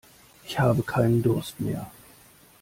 Ich habe keinen Durst mehr.